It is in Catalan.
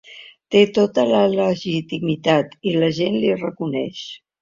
Té tota la legitimitat i la gent li reconeix.